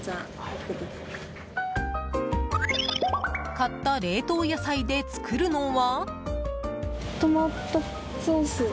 買った冷凍野菜で作るのは。